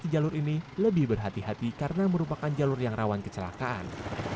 jalur ini lebih berhati hati karena merupakan jalur yang rawan kecelakaan